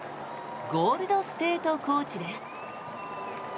ゴールド・ステート・コーチです。